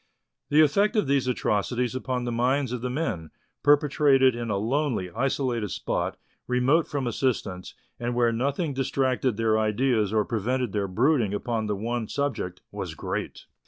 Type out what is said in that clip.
The effect of these atrocities upon the minds of the men, perpetrated in a lonely, isolated spot, remote from assistance, and where nothing distracted their ideas or prevented their brooding upon the one subject, was great.